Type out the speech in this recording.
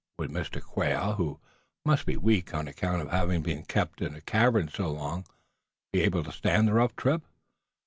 Would Mr. Quail, who must be weak on account of having been kept in the cavern so long, be able to stand the rough trip?